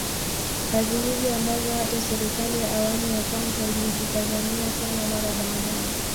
Kazi hizi ambazo hata serikali ya awamu ya kwanza ilizikazania sana mara baada ya